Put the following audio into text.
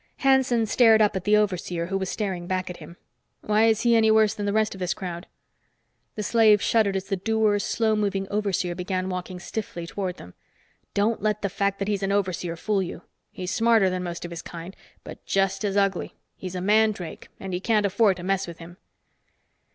Hanson stared up at the overseer who was staring back at him. "Why is he any worse than the rest of this crowd?" The slave shuddered as the dour, slow moving overseer began walking stiffly toward them. "Don't let the fact that he's an overseer fool you. He's smarter than most of his kind, but just as ugly. He's a mandrake, and you can't afford to mess with him."